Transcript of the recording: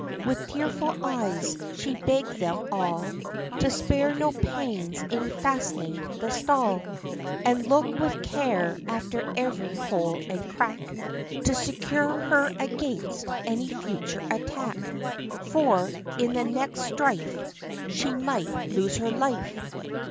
With tearful eyes, she begged them all To spare no pains in fastening the stall, And look with care after every hole and crack, To secure her against any future attack; For, in the next strife, She might lose her life.